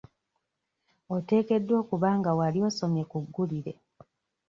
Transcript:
Oteekeddwa okuba nga wali osomye ku ggulire.